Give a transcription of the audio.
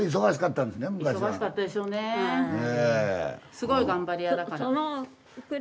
すごい頑張り屋だから。